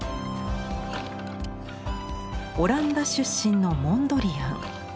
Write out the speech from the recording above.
オランダ出身のモンドリアン。